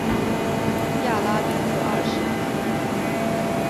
亚拉里克二世。